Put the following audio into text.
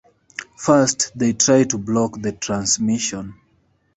First, they try to block the transmission.